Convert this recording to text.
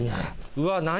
うわっ何？